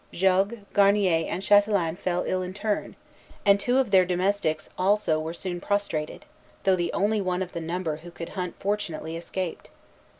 Jogues, Garnier, and Chatelain fell ill in turn; and two of their domestics also were soon prostrated, though the only one of the number who could hunt fortunately escaped.